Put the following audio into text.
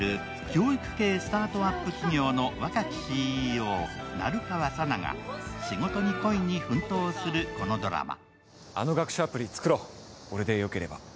教育系スタートアップ企業の若きＣＥＯ成川佐奈が仕事に恋に奮闘する、このドラマ。